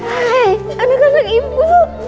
hai anak anak ibu